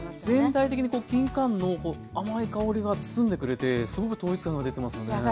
全体的にきんかんの甘い香りが包んでくれてすごく統一感が出てますよね。